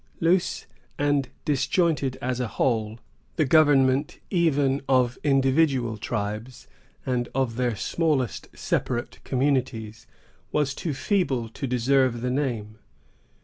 Loose and disjointed as a whole, the government even of individual tribes, and of their smallest separate communities, was too feeble to deserve the name.